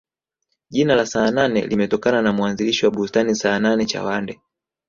jina la saanane limetokana na muanzilishi wa bustani saanane chawande